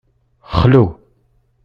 Xlu.